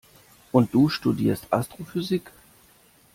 Und du studierst Astrophysik?